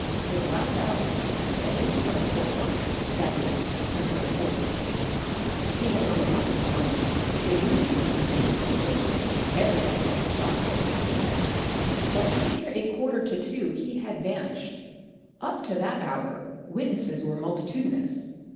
For the last hour, at least from before one, that is, until a quarter to two, he had run amuck through London, eluding with amazing agility every effort to stop or capture him. But after a quarter to two he had vanished. Up to that hour witnesses were multitudinous.